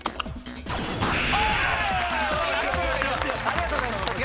ありがとうございます。